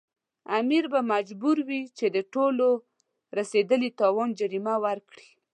امیر به مجبور وي چې د ټولو رسېدلي تاوان جریمه ورکړي.